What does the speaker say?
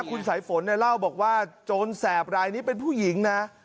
คุณสายฝนเนี่ยเล่าบอกว่าโจรแสบรายนี้เป็นผู้หญิงนะ